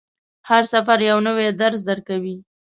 هر سفر یو نوی درس درکوي.